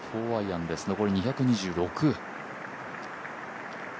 残り２２６。